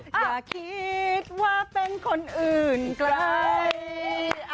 อย่าคิดว่าเป็นคนอื่นไกล